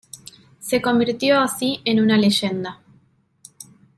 Se convirtió así en una leyenda.